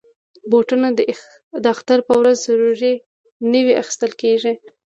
بوټونه د اختر په ورځ ضرور نوي اخیستل کېږي.